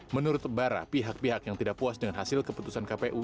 menurut bara pihak pihak yang tidak puas dengan hasil keputusan kpu